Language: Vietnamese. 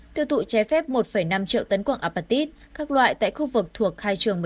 tiêu thụ trái phép một năm triệu tấn quạng apatit các loại tại khu vực thuộc khai trường một mươi tám